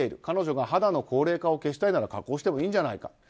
彼女が肌の高齢化を消したいなら加工してもいいんじゃないか。